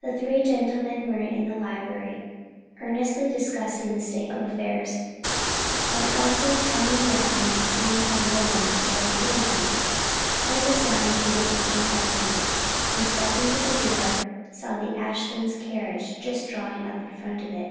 The three gentlemen were in the library earnestly discussing the state of affairs, when Elsie, coming down from seeing her little ones settled for the night, heard the sound of wheels in the avenue, and stepping to the door saw the Ashlands carriage just drawing up in front of it.